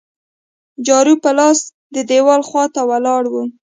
جارو په لاس د دیوال خوا ته ولاړ وو.